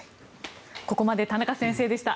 ここまで田中先生でした。